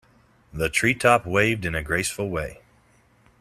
The tree top waved in a graceful way.